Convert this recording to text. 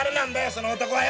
その男は？